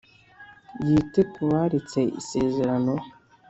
Yite ku baretse isezerano